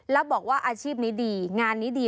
แล้วบอกว่าอาชีพนี้ดีงานนี้ดี